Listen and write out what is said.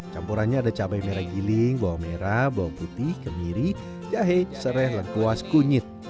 campurannya ada cabai merah giling bawang merah bawang putih kemiri jahe serai lengkuas kunyit